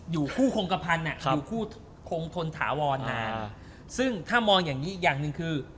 อยู่คู่คงกระพันธุ์อยู่คู่คงทนถาวรนะซึ่งถ้ามองอย่างนี้อีกอย่างหนึ่งคือ